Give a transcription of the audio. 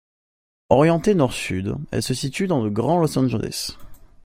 Orientée nord-sud, elle se situe dans le Grand Los Angeles.